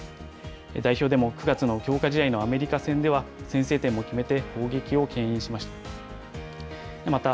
代表でも９月の強化試合のアメリカ戦では、先制点も決めて攻撃をけん引しました。